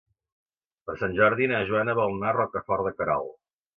Per Sant Jordi na Joana vol anar a Rocafort de Queralt.